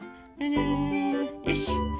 よし。